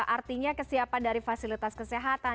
artinya kesiapan dari fasilitas kesehatan